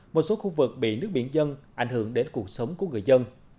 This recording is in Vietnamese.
một số khu vực bị nước biển dân ảnh hưởng đến cuộc sống của người dân